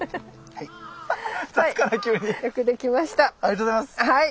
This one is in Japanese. はい。